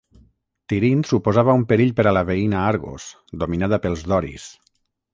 Tirint suposava un perill per a la veïna Argos, dominada pels doris.